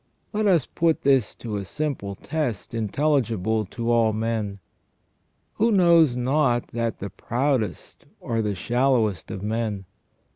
Let us put this to a simple test intelligible to all men. Who knows not that the proudest are the shallowest of men?